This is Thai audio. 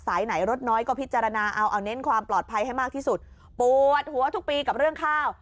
ไหนรถน้อยก็พิจารณาเอาเอาเน้นความปลอดภัยให้มากที่สุดปวดหัวทุกปีกับเรื่องข้าว